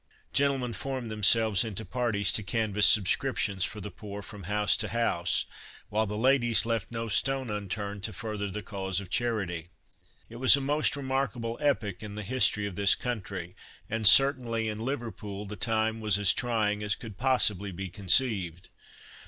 Gentlemen formed themselves into parties to canvass subscriptions for the poor from house to house, while the ladies left no stone unturned to further the cause of charity. It was a most remarkable epoch in the history of this country, and certainly in Liverpool the time was as trying as could possibly be conceived.